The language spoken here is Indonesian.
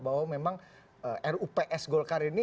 bahwa memang rups golkar ini